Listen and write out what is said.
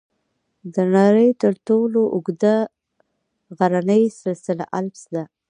د نړۍ تر ټولو اوږده غرني سلسله الپس ده.